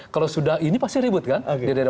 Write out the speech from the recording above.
kalau sudah ini pasti ribut kan